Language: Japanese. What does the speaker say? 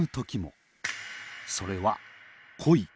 それは恋。